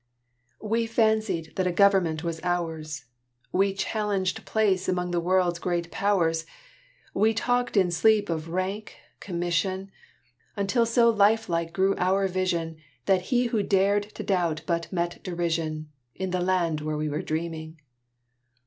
We fancied that a Government was ours We challenged place among the world's great powers; We talked in sleep of Rank, Commission, Until so life like grew our vision That he who dared to doubt but met derision, In the land where we were dreaming.